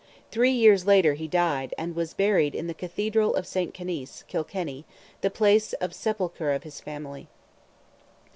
Three years later he died, and was buried in the Cathedral of St. Canice, Kilkenny, the place of sepulture of his family.